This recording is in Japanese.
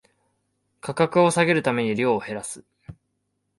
価格を下げるために量を減らす